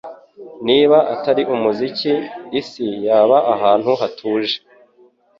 Niba atari umuziki, isi yaba ahantu hatuje.